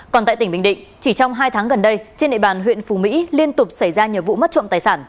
còn tại tỉnh bình định chỉ trong hai tháng gần đây trên địa bàn huyện phù mỹ liên tục xảy ra nhiều vụ mất trộm tài sản